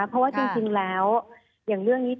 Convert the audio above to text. เพราะว่าจริงแล้วอย่างเรื่องนี้